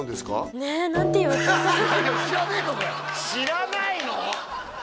知らないの？